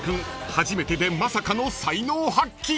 初めてでまさかの才能発揮］